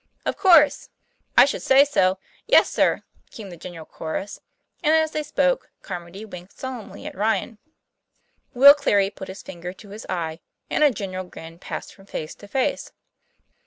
"Of course." "I should say so!" "Yes, sir," came the general chorus; and as they spoke Car mody winked solemnly at Ryan, Will Cleary put his 1 34 TOM PLAY FAIR. finger to his eye, and a general grin passed from face to face.